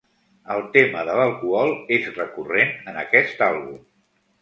El tema de l'alcohol és recurrent en aquest àlbum.